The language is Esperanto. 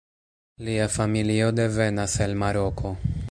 Lia familio devenas el Maroko.